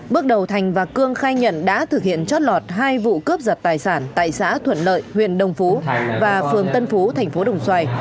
bước đầu thành và cương khai nhận đã thực hiện chót lọt hai vụ cướp giật tài sản tại xã thuận lợi huyện đồng phú và phường tân phú thành phố đồng xoài